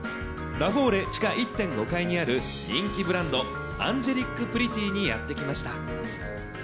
ラフォーレ地下１．５階にある人気ブランド、アンジェリック・プリティーにやって来ました。